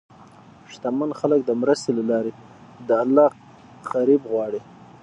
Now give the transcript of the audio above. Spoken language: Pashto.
شتمن خلک د مرستې له لارې د الله قرب غواړي.